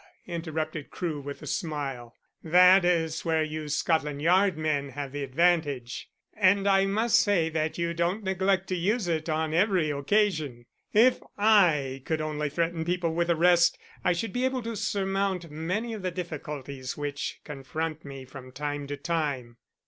interrupted Crewe with a smile, "that is where you Scotland Yard men have the advantage. And I must say that you don't neglect to use it on every occasion. If I could only threaten people with arrest I should be able to surmount many of the difficulties which confront me from time to time."